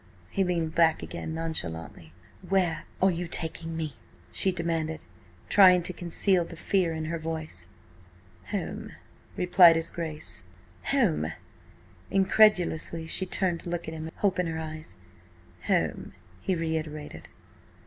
He leaned back again nonchalantly. "Where are you taking me?" she demanded, trying to conceal the fear in her voice. "Home," replied his Grace. "Home!" Incredulously she turned to look at him, hope in her eyes. "Home," he reiterated.